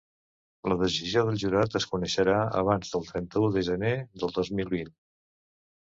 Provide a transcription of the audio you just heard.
La decisió del jurat es coneixerà abans del trenta-u de gener de dos mil vint.